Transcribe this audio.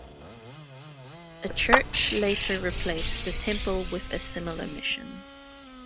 A church later replaced the temple with a similar mission.